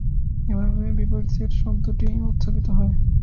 এভাবে "বিপরীত সেট" শব্দটি উত্থাপিত হয়।